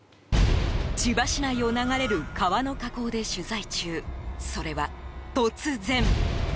千葉市内を流れる川の河口で取材中、それは突然。